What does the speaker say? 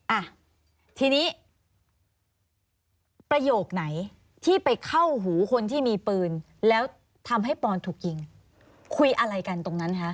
อ่ะทีนี้ประโยคไหนที่ไปเข้าหูคนที่มีปืนแล้วทำให้ปอนถูกยิงคุยอะไรกันตรงนั้นคะ